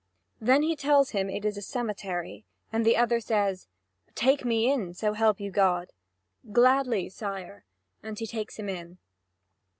And he tells him it is a cemetery. And the other says: "Take me in, so help you God!" "Gladly, sire," and he takes him in.